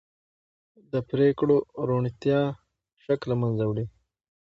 د پرېکړو روڼتیا شک له منځه وړي